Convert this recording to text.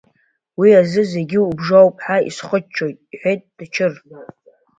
Уи азы зегьы убжоуп ҳәа исхыччоит, — иҳәеит Тыҷыр.